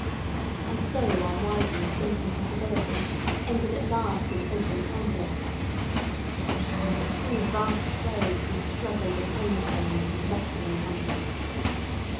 And so our widened incompatibility ended at last in open conflict. For two vast days we struggled in undertones and wrestling contests.